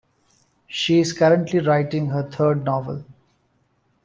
She is currently writing her third novel.